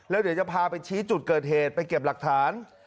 แล้วเดี๋ยวจะพาไปชี้จุดเกิดเหตุไปเก็บหลักฐาน